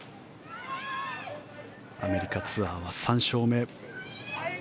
アメリカツアーは３勝目。